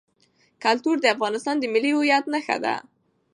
کلتور د افغانستان د ملي هویت نښه ده.